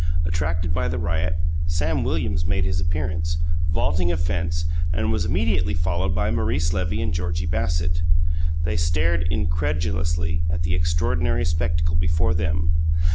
Attracted by the riot, Samuel Williams made his appearance, vaulting a fence, and was immediately followed by Maurice Levy and Georgie Bassett. They stared incredulously at the extraordinary spectacle before them.